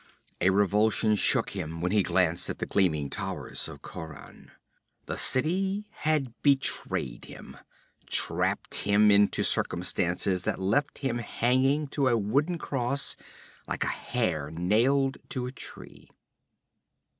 A revulsion shook him when he glanced at the gleaming towers of Khauran. The city had betrayed him trapped him into circumstances that left him hanging to a wooden cross like a hare nailed to a tree.